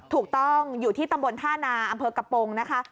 ถูกต้องอยู่ที่ตำบลท่านาอำเภอกระโปรงนะคะ